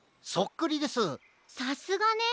さすがね！